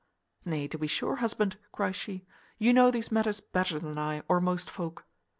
"Nay, to be sure, husband," cries she, "you know these matters better than I, or most folk."